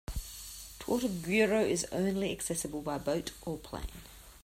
Tortuguero is only accessible by boat or plane.